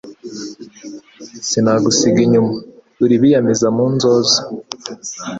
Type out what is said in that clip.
Sinagusiga inyuma. Uri Biyamiza mu nzoza*,